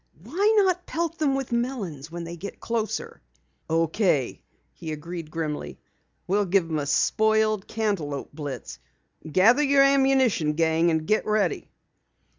"Why not pelt them with melons when they get closer?" "Okay," he agreed grimly, "we'll give 'em a spoiled cantaloupe blitz. Gather your ammunition, gang, and get ready!"